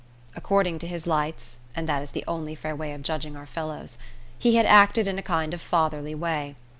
According to his lights (and that is the only fair way of judging our fellows) he had acted in a kind of fatherly way.